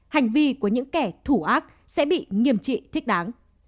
hành vi của những kẻ thủ ác sẽ bị nghiêm trị thích đáng